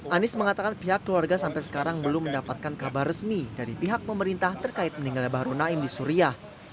anies mengatakan pihak keluarga sampai sekarang belum mendapatkan kabar resmi dari pihak pemerintah terkait meninggalnya bahru naim di suriah